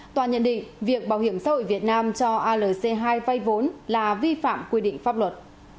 tòa nhận định việc bảo hiểm xã hội việt nam cho alc hai vay vốn là vi phạm quy định pháp luật